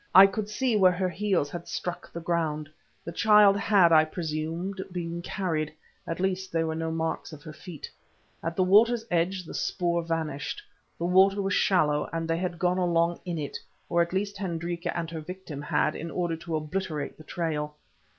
I could see where her heels had struck the ground; the child had, I presumed, been carried—at least there were no marks of her feet. At the water's edge the spoor vanished. The water was shallow, and they had gone along in it, or at least Hendrika and her victim had, in order to obliterate the trail.